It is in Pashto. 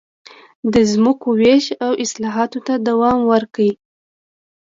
د ځمکو وېش او اصلاحاتو ته دوام ورکړي.